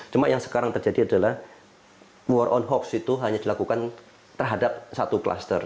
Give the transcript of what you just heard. cuma yang sekarang terjadi adalah war on hoax itu hanya dilakukan terhadap satu kluster